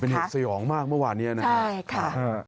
เป็นเหตุเสี่ยงมากเมื่อวานนี้ใช่ค่ะ